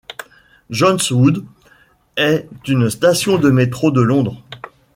John's Wood est une station du métro de Londres.